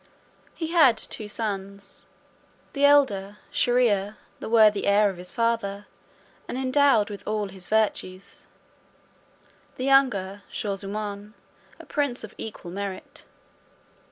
He had two sons; the elder Shier ear, the worthy heir of his father, and endowed with all his virtues; the younger Shaw zummaun, a prince of equal merit.